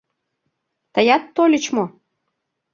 Тыят тольыч мо?